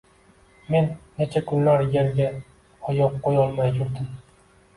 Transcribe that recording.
Men necha kunlar yerga oyoq qo‘yolmay yurdim